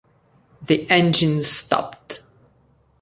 The engine stopped.